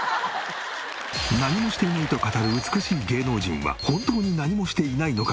何もしていないと語る美しい芸能人は本当に何もしていないのか？